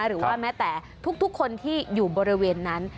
หรือว่าแม้แต่ทุกคนที่อยู่บริเวณนั้น